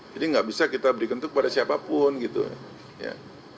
jadi gak bisa kita beri kentuk kepada siapapun gitu ya